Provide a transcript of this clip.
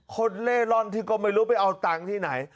เล่ร่อนที่ก็ไม่รู้ไปเอาตังค์ที่ไหน